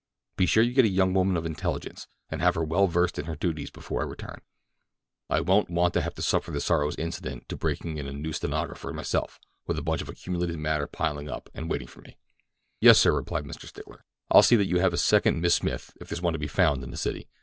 Be sure you get a young woman of intelligence, and have her well versed in her duties before I return—I won't want to have to suffer the sorrows incident to breaking in a new stenographer myself with a bunch of accumulated matter piled up and waiting for me." "Yes, sir," replied Mr. Stickler; "I'll see that you have a second Miss Smith if there's one to be found in the city.